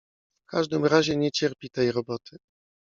W każdym razie nie cierpi tej roboty!